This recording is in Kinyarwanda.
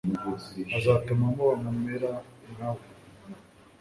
azatuma muba mumera nkawe